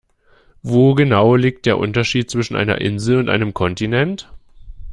Wo genau liegt der Unterschied zwischen einer Insel und einem Kontinent?